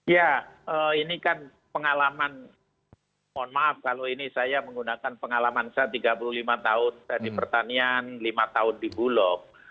ya ini kan pengalaman mohon maaf kalau ini saya menggunakan pengalaman saya tiga puluh lima tahun dari pertanian lima tahun di bulog